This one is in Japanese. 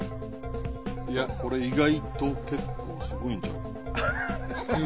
いやこれ意外と結構スゴいんちゃうかな？